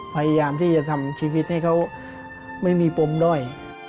พยายามที่จะทำชีวิตให้เขาไม่มีปมด้อย